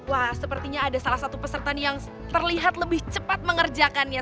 wah sepertinya ada salah satu peserta nih yang terlihat lebih cepat mengerjakannya